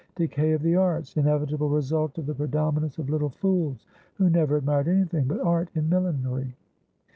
Decay of the artsinevitable result of the predominance of little fools who never admired anything but art in millinery.